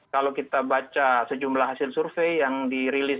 kalau kita baca sejumlah hasil survei yang dirilis